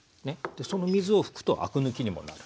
その水を拭くとアク抜きにもなる。